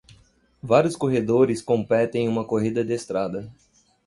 Vários corredores competem em uma corrida de estrada.